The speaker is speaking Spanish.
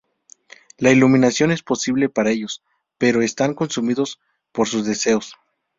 La iluminación es posible para ellos, pero están consumidos por sus deseos.